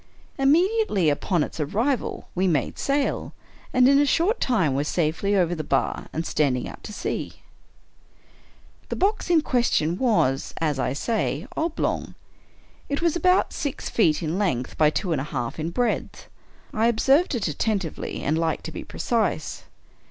Immediately upon its arrival we made sail, and in a short time were safely over the bar and standing out to sea. , The box in question was, as I say, oblong. It was about 114 Edgar Allan Pee six feet in length by two and a half in breadth ;— I observed it attentively, and like to be precise.